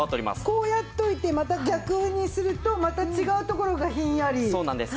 こうやっといてまた逆にするとまた違う所がひんやり。